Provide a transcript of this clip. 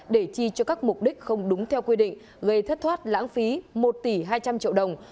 để chi cho các mục đích không đúng theo quy định gây thất thoát lãng phí một tỷ hai trăm linh triệu đồng